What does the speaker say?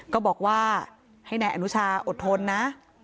ก็บอกว่าให้นายอนุชาอดทนนะ